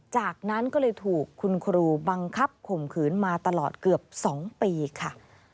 จากนั้นก็เลยถูกคุณครูบังคับข่มขืนมาตลอดเกือบ๒ปีค่ะ